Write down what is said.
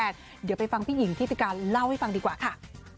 เดี๋ยวไปฟังพี่หญิงที่พิการเล่าให้ฟังดีกว่าค่ะ